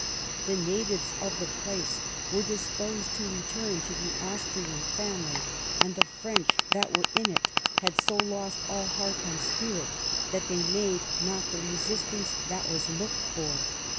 The natives of the place were disposed to return to the Austrian family, and the French that were in it had so lost all heart and spirit, that they made not the resistance 250 BAMILLIES AKD ALMANZA that was looked for.